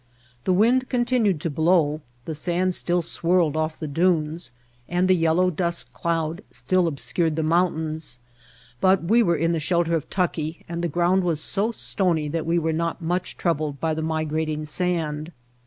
The wind continued to blow, the sand still swirled ofif the dunes, and the yellow dust cloud still obscured the moun White Heart of Mojave tains; but we were in the shelter of Tucki and the ground was so stony that we were not much troubled by the migrating sand.